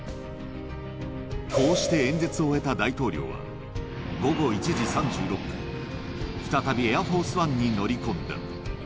こうして演説を終えた大統領は、午後１時３６分、再びエアフォースワンに乗り込んだ。